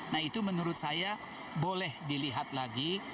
nah itu menurut saya boleh dilihat lagi